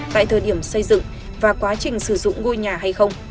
tại thời điểm xây dựng và quá trình sử dụng ngôi nhà hay không